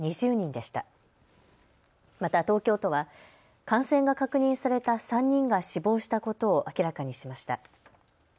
また東京都は感染が確認された３人が死亡したことを明らかにしました。